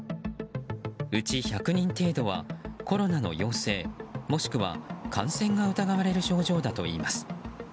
うち１００人程度はコロナの陽性もしくは感染が疑われる症状だといいます。